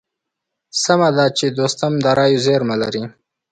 سمه ده چې دوستم د رايو زېرمه لري.